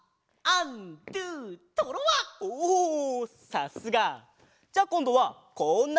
さすが！じゃあこんどはこんなポーズ！